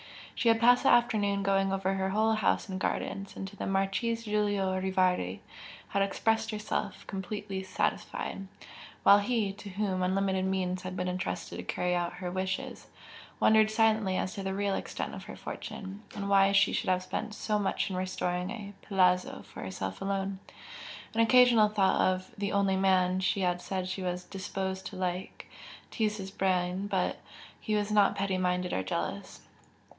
She had passed the afternoon going over her whole house and gardens, and to the Marchese Giulio Rivardi had expressed herself completely satisfied, while he, to whom unlimited means had been entrusted to carry out her wishes, wondered silently as to the real extent of her fortune, and why she should have spent so much in restoring a "palazzo" for herself alone. An occasional thought of "the only man" she had said she was "disposed" to like, teased his brain; but he was not petty minded or jealous.